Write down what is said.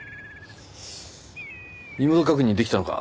身元確認できたのか？